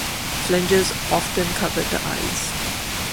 Flanges often covered the eyes.